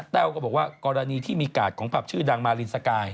แววก็บอกว่ากรณีที่มีกาดของผับชื่อดังมารินสกาย